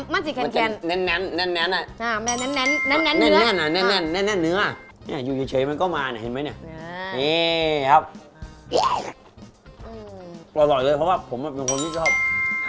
มันจะแข็งแข็งนิดนึงนะแข็งแข็งนิดนึงนะใช่มันจะแข็งแข็ง